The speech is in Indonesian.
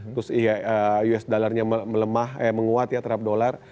terus us dollarnya melemah menguat ya terhadap dolar